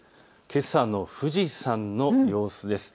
けさの富士山の様子です。